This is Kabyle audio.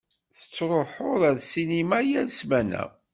Tettṛuḥuḍ ar ssinima yal ssmana.